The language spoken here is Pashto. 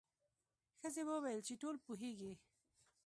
ښځې وویل چې ټول پوهیږي.